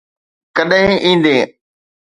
ڪڏھن ايندين؟